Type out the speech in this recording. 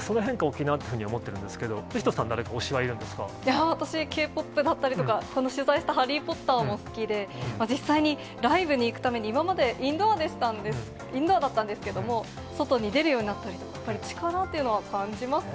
その変化、大きいなっていうふうに思ってるんですけど、後呂さんは推しがい私、Ｋ−ＰＯＰだったりとか、取材したハリー・ポッターも好きで、実際にライブに行くために、今まで、インドアだったんですけども、外に出るようになったりとか、やっぱり力っていうのは、感じますね。